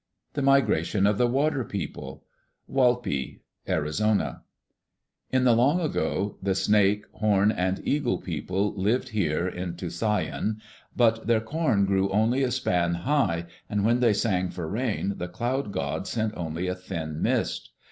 The Migration of the Water People Walpi (Arizona) In the long ago, the Snake, Horn, and Eagle people lived here (in Tusayan) but their corn grew only a span high and when they sang for rain, the Cloud god sent only a thin mist.